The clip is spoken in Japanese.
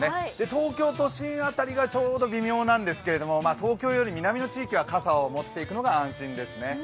東京都心辺りがちょうど微妙なんですけれども東京より南の地域は傘を持っていくのが安心ですね。